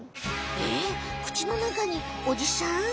えっ口の中におじさん？